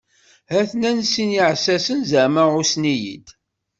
Ha-ten-an sin n yiɛessasen zaɛma ɛussen-iyi-d.